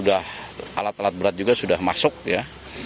alat alat berat juga sudah masuk ya